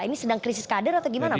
ini sedang krisis kader atau gimana